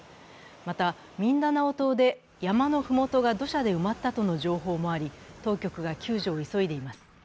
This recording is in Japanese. また、ミンダナオ島で山のふもとが土砂で埋まったとの情報もあり、当局が救助を急いでいます。